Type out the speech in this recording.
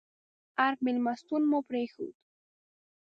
ارګ مېلمستون مو پرېښود.